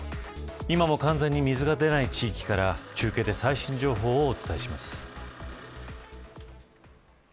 今も完全に水が出ない地域から中継で最新情報をお伝えします。